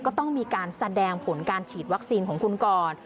ก็ต้องมีการแสดงผลการฉีดวัคซีนของคุณก่อน